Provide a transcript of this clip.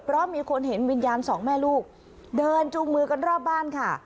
เพราะมีคนเห็นวิญญาณสองแม่ลูกเดินจูงมือกันรอบบ้านค่ะ